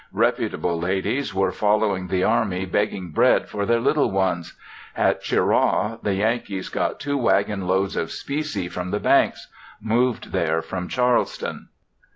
Reputable ladies were following the army begging bread for their little ones. At Cheraw the Yankees got two wagon loads of specie from the banks moved there from Charleston.